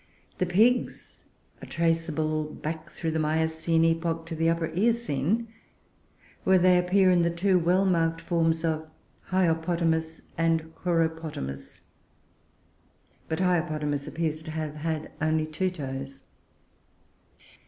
The Pigs are traceable back through the Miocene epoch to the Upper Eocene, where they appear in the two well marked forms of Hyopopotamus and Choeropotamus; but Hyopotamus appears to have had only two toes.